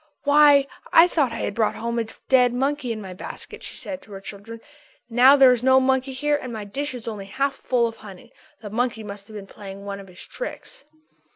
"Why, I thought I had brought home a dead monkey in my basket," she said to her children. "Now there is no monkey here and my dish is only half full of honey. The monkey must have been playing one of his tricks."